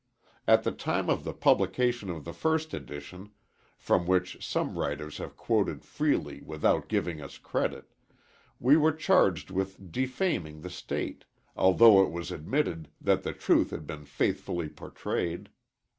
At the time of the publication of the first edition (from which some writers have quoted freely without giving us credit), we were charged with defaming the State, although it was admitted that the truth had been faithfully portrayed.